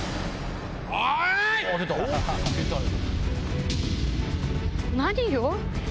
出たよ。